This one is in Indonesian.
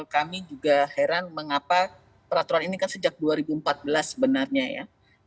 kami juga heran mengapa peraturan ini kan sejak dua ribu empat belas sebenarnya ya